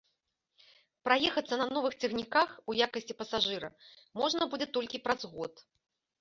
Праехацца на новых цягніках у якасці пасажыра можна будзе толькі праз год.